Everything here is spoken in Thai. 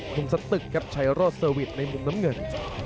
มุมสตึกครับชัยรอดเซอร์วิสในมุมน้ำเงิน